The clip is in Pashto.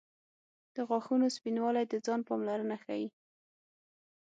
• د غاښونو سپینوالی د ځان پاملرنه ښيي.